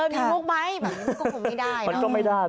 มีลูกไหมแบบนี้ก็คงไม่ได้นะ